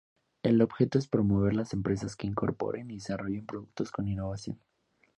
El objeto es promover las empresas que incorporen y desarrollen productos con innovación.